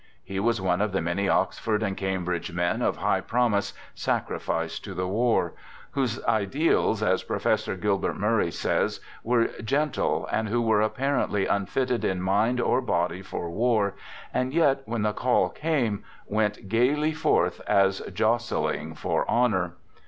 He was one of the many young Oxford and Cambridge men of high promise, sacrificed to the war; whose ideals, as Professor Gilbert Murray says, were gen tle, and who were apparently unfitted in mind or body for war, and yet, when the call came, went gayly forth, " as jostling for honor."